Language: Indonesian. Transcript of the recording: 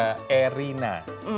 dan juga irina